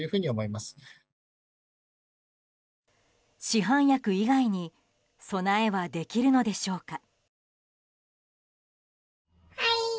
市販薬以外に備えはできるのでしょうか。